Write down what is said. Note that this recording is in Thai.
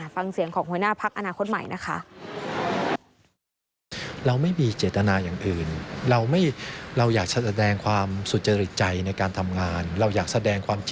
ฟังเสียงของหัวหน้าพักอนาคตใหม่นะคะ